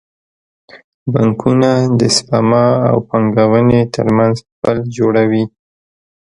بانکونه د سپما او پانګونې ترمنځ پل جوړوي.